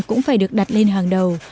cũng phải được đặt lên hàng đầu